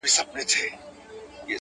!شپېلۍ!.